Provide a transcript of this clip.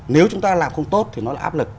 nếu chúng ta làm không tốt thì nó là áp lực